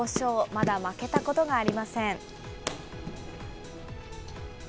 まだ負けたことがありません。